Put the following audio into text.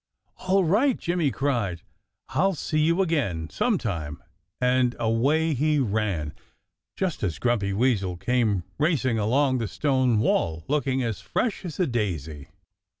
"All right!" Jimmy cried. "I'll see you again sometime!" And away he ran, just as Grumpy Weasel came racing along the stone wall, looking as fresh as a daisy.